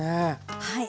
はい。